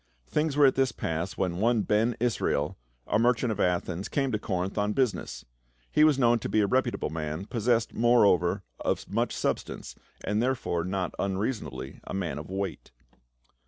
Things were at this pass when one Ben Israel, a merchant of Athens, came to Corinth on business. He was known to be a reputable man, possessed more over of much substance, and therefore not unreasona bly a man of weight.